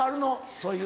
そういう。